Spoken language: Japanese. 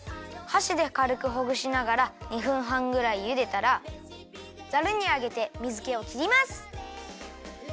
はしでかるくほぐしながら２分はんぐらいゆでたらザルにあげて水けをきります！